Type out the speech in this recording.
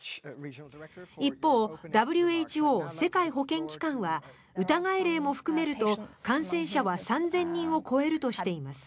一方、ＷＨＯ・世界保健機関は疑い例も含めると感染者は３０００人を超えるとしています。